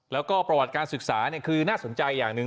แล้วก็ประวัติการศึกษาคือน่าสนใจอย่างหนึ่ง